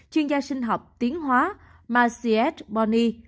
chuyên gia sinh học tiến hóa marciette bonney